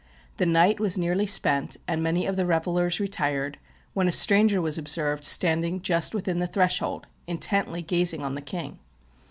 The night was nearly spent, and many of the revellers retired, when a stranger was observed standing just within the threshold, intently gazing on the king.